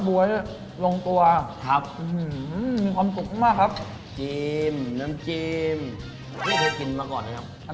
บ๋วยลงตัวครับมีความสุขมากครับจีมน้ำจีมพี่กินมาก่อนครับอัน